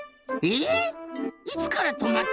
えっ！